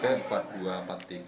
karena hosturnya juga tinggi